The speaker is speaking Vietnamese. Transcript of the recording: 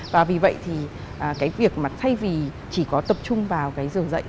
và vì vậy thì cái việc mà thay vì chỉ có tập trung vào cái dường dạy